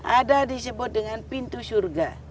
ada disebut dengan pintu surga